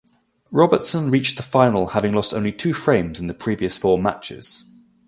Robertson reached the final having lost only two frames in the previous four matches.